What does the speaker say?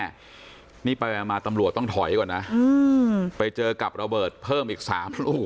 นี่ไปมาตำรวจต้องถอยก่อนนะอืมไปเจอกับระเบิดเพิ่มอีกสามลูก